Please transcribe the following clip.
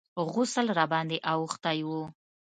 غسل راباندې اوښتى و.